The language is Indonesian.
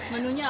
menunya apa pak